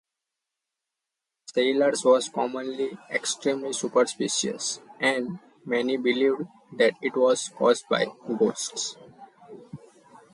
Sailors were commonly extremely superstitious, and many believed that it was caused by ghosts.